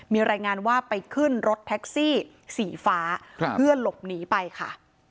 มีรายงานว่าไปขึ้นรถแท็กซี่สีฟ้าเพื่อหลบหนีไปค่ะ